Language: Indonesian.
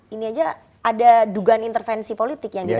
ini aja ada dugaan intervensi politik yang dilakukan